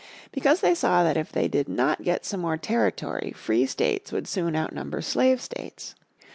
Because they saw that if they did not get some more territory free states would soon outnumber slave states.